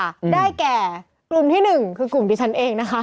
ได้แก่กลุ่มที่๑คือกลุ่มที่ฉันเองนะคะ